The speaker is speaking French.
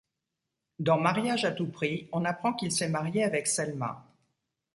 Dans Mariage à tout prix, on apprend qu'il s'est marié avec Selma.